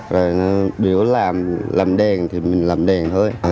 rồi nó biểu làm làm đèn thì mình làm đèn thôi